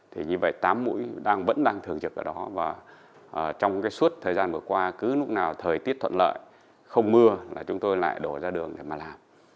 thì như vậy tám mũi vẫn đang thường trực ở đó và trong suốt thời gian vừa qua cứ lúc nào thời tiết thuận lợi không mưa là chúng tôi lại đổ ra đường để mà làm